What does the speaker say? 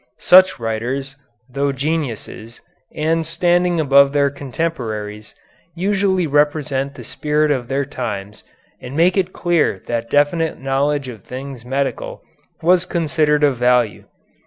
Such writers, though geniuses, and standing above their contemporaries, usually represent the spirit of their times and make it clear that definite knowledge of things medical was considered of value.